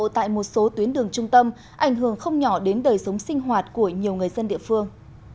tại một số tuyến đường trung tâm ảnh hưởng không nhỏ đến đời sống sinh hoạt của nhiều người dân địa phương